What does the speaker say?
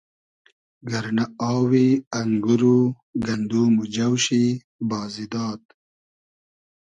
گئرنۂ آوی انگور و گندوم و جۆ شی بازی داد